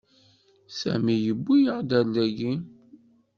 Sami yewwi-yaɣ-d ar dagi.